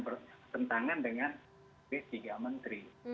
berkentangan dengan skb tiga menteri